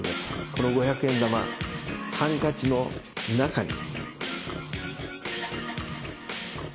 この五百円玉ハンカチの中に。